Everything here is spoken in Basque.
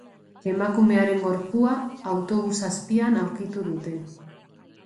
Emakumearen gorpua autobus azpian aurkitu dute.